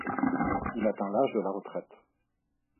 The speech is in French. Il atteint l'âge de la retraite.